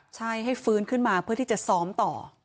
ใช่ให้ฟื้นขึ้นมาเพื่อที่จะซ้อมต่อ